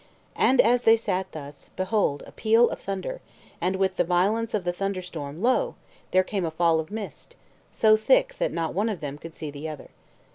And as they sat thus, behold a peal of thunder, and with the violence of the thunder storm, lo! there came a fall of mist, so thick that not one of them could see the other.